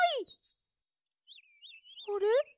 あれ？